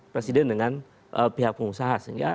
presiden dengan pihak pengusaha